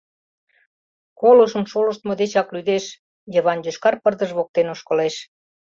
«Колышым шолыштмо дечак лӱдеш, — Йыван йошкар пырдыж воктен ошкылеш.